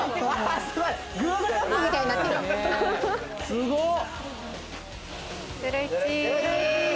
すごい！